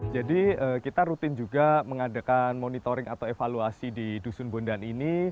jadi kita rutin juga mengadakan monitoring atau evaluasi di dusun bondan ini